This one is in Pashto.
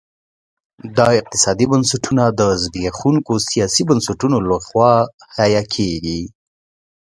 دا اقتصادي بنسټونه د زبېښونکو سیاسي بنسټونو لخوا حیه کېدل.